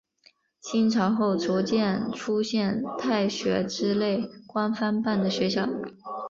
清朝后逐渐出现太学之类官方办的学校。